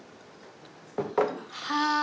はあ。